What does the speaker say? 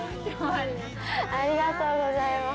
ありがとうございます。